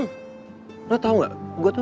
terima kasih aja sih